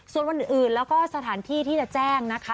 ส่วนวันอื่นแล้วก็สถานที่ที่จะแจ้งนะคะ